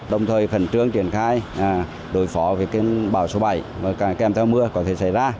đồng thời khẩn trương triển khai đối phó với bão số bảy kèm theo mưa có thể xảy ra